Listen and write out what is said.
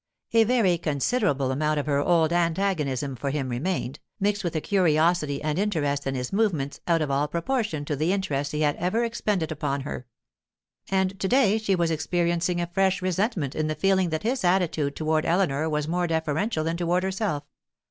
A very considerable amount of her old antagonism for him remained, mixed with a curiosity and interest in his movements out of all proportion to the interest he had ever expended upon her. And to day she was experiencing a fresh resentment in the feeling that his attitude toward Eleanor was more deferential than toward herself.